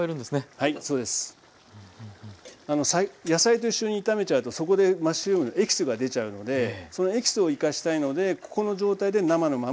はいそうです。野菜と一緒に炒めちゃうとそこでマッシュルームのエキスが出ちゃうのでそのエキスを生かしたいのでここの状態で生のまま入れていきます。